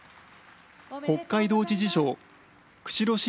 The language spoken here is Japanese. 北海道知事賞釧路市